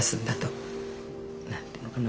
何て言うのかな